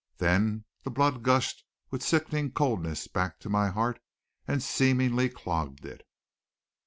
Then the blood gushed with sickening coldness back to my heart and seemingly clogged it.